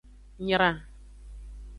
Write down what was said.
Nyra.